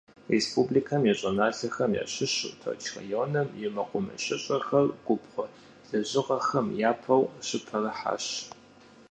Республикэм и щӏыналъэхэм ящыщу Тэрч районым и мэкъумэшыщӏэхэр губгъуэ лэжьыгъэхэм япэу щыпэрыхьащ.